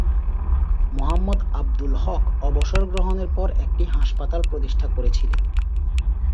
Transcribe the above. মোহাম্মদ আবদুল হক অবসর গ্রহণের পর একটি হাসপাতাল প্রতিষ্ঠা করেছিলেন।